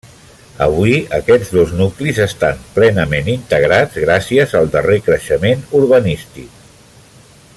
Avui aquests dos nuclis estan plenament integrats, gràcies al darrer creixement urbanístic.